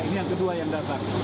ini yang kedua yang datang